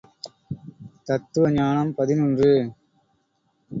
தத்துவ ஞானம் பதினொன்று .